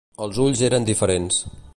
Els ulls eren diferents.